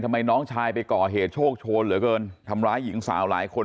น้องชายไปก่อเหตุโชคโชนเหลือเกินทำร้ายหญิงสาวหลายคน